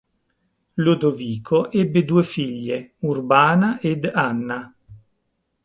Lodovico ebbe due figlie, Urbana ed Anna.